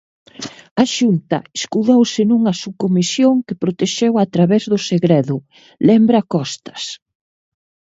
"A Xunta escudouse nunha subcomisión que protexeu a través do segredo", lembra Costas.